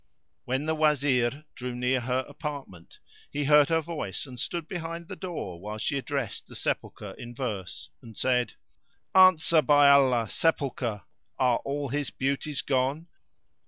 When the Wazir drew near her apartment, he heard her voice and stood behind the door while she addressed the sepulchre in verse and said:— "Answer, by Allah! Sepulchre, are all his beauties gone?